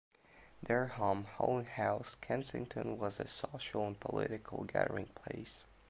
Their home, Holland House, Kensington, was a social and political gathering place.